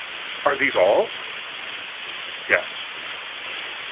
"Are these all?" "Yes."